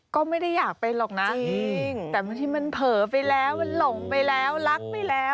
ก็ไม่ได้อยากเป็นหรอกนะจริงแต่บางทีมันเผลอไปแล้วมันหลงไปแล้วรักไปแล้ว